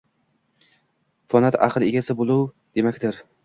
Fatonat aql egasi bo’luv demakdir